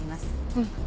うん。